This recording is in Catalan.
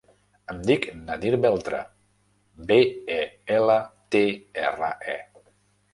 Em dic Nadir Beltre: be, e, ela, te, erra, e.